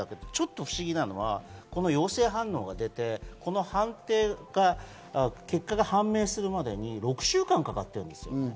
ちょっと不思議なのは、この陽性反応が出て、結果が判明するまでに６週間かかってるんですよ。